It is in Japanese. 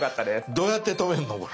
どうやって止めんのこれ？